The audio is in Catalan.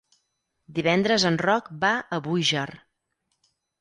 Divendres en Roc va a Búger.